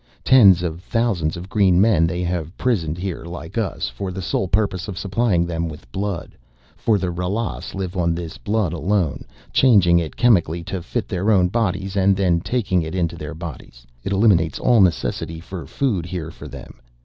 "Tens of thousands of green men they have prisoned here like us, for the sole purpose of supplying them with blood. For the Ralas live on this blood alone, changing it chemically to fit their own bodies and then taking it into their bodies. It eliminates all necessity for food here for them.